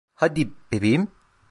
Hadi, bebeğim.